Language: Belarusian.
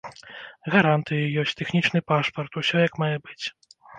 Гарантыі ёсць, тэхнічны пашпарт, усё як мае быць.